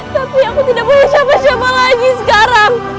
tapi aku tidak boleh siapa siapa lagi sekarang